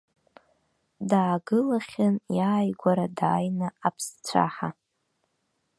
Даагылахьан иааигәара дааины аԥсцәаҳа.